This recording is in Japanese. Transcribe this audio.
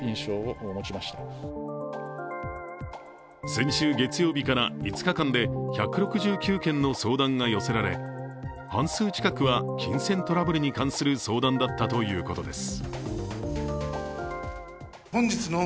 先週月曜日から５日間で１６９件の相談が寄せられ半数近くは金銭トラブルに関する相談だったということです。